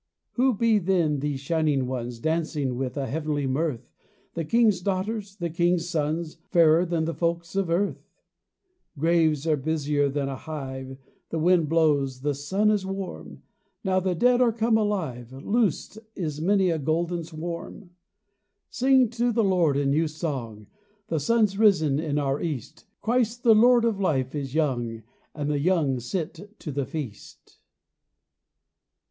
Who be then these shining ones Dancing with a heavenly mirth, The King's daughters, the King's sons, Fairer than the folk of earth ? Graves are busier than a hive The wind blows, the sun is warm ; Now the dead are come alive Loosed is many a golden swarm. Sing to the Lord a new song ! The Sun's risen in our East ; Christ the Lord of Life is young. And the young sit to the feast.